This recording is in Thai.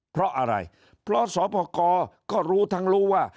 เพราะอะไรเพราะสพกก็รู้ทั้งรู้ว่า